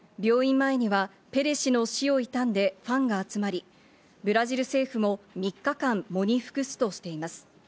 病院前にはペレ氏の死を悼んでファンが集まり、ブラジル政府も３日間、喪に服すとしています。